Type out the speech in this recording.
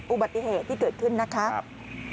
อุบัติเหตุที่เกิดขึ้นนะครับ